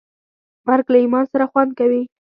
مرګ له ایمان سره خوند کوي.